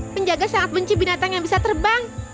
penjaga sangat benci binatang yang bisa terbang